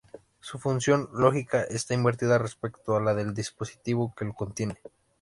Su función lógica está invertida respecto a la del dispositivo que lo contiene.